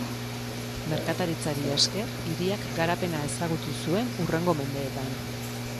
Merkataritzari esker hiriak garapena ezagutu zuen hurrengo mendeetan.